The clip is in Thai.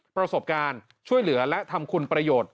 ประสบการณ์ช่วยเหลือและทำคุณประโยชน์